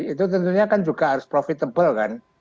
itu tentunya kan juga harus profitable kan